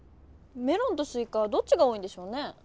メロンとスイカどっちがおおいんでしょうね？